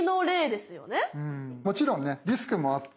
もちろんねリスクもあって例えば